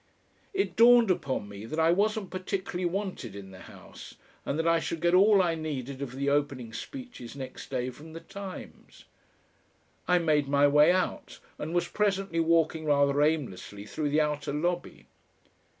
It dawned upon me that I wasn't particularly wanted in the House, and that I should get all I needed of the opening speeches next day from the TIMES. I made my way out and was presently walking rather aimlessly through the outer lobby.